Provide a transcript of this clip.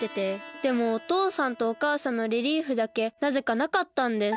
でもおとうさんとおかあさんのレリーフだけなぜかなかったんです。